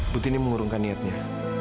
butini mengurungkan niatnya